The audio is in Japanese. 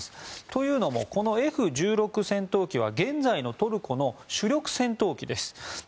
というのもこのＦ１６戦闘機は現在のトルコの主力戦闘機です。